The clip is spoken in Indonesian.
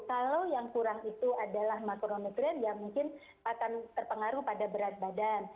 kalau yang kurang itu adalah makronuklir ya mungkin akan terpengaruh pada berat badan